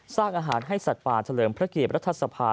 สร้างอาหารให้สัตว์ป่าเฉลิมพระเกียรติรัฐสภา